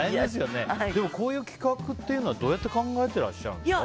こういう企画はどうやって考えていらっしゃるんですか？